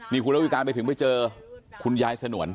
นี่คุณระวิการไปถึงไปเจอคุณยายสนวน